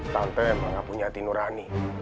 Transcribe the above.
tante emang gak punya hati nurani